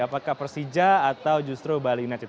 apakah persija atau justru bali united